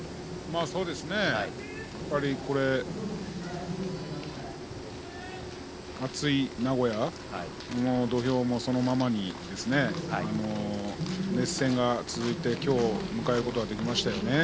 そうですね暑い名古屋土俵もそのままにですね熱戦が続いて今日を迎えることができましたよね。